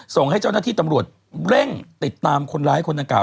ส่งให้เจ้าหน้าที่ตำรวจเร่งติดตามคนร้ายคนดังกล่า